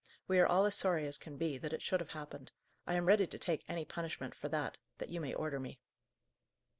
We are all as sorry as can be, that it should have happened. I am ready to take any punishment, for that, that you may order me."